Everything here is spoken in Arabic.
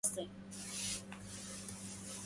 أتحتاج لمساعدة يا صاح؟